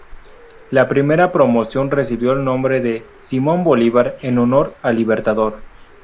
La primera promoción recibió el nombre de Simón Bolívar, en honor al Libertador.